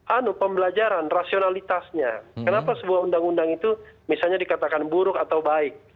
anu pembelajaran rasionalitasnya kenapa sebuah undang undang itu misalnya dikatakan buruk atau baik